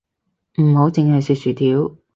唔好淨係食薯條